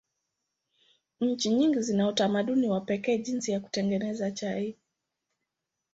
Nchi nyingi zina utamaduni wa pekee jinsi ya kutengeneza chai.